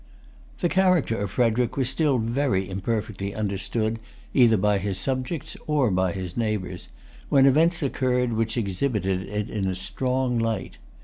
The character of Frederic was still very imperfectly understood either by his subjects or by his neighbors, when events occurred which exhibited it in a strong light.